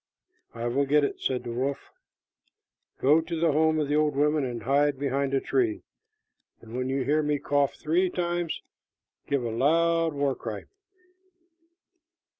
"I will get it," said the wolf. "Go to the home of the old women and hide behind a tree; and when you hear me cough three times, give a loud war cry."